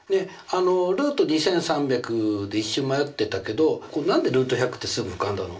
ルート２３００で一瞬迷ってたけど何でルート１００ってすぐ浮かんだの？